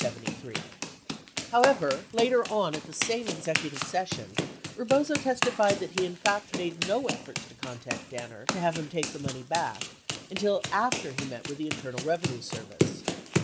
30 However, later on at the same executive session, Bebozo testified that he in fact made no efforts to contact Danner to have him take the money back until after he met with the Internal Bevenue Service.